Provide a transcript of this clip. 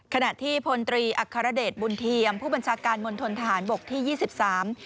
ขณะที่พลตรีอัครเดชบุญเทียมผู้บัญชาการมณฑนทหารบกที่ยี่สิบสาม